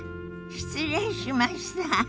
失礼しました。